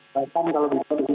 maka kalau diperkenalkan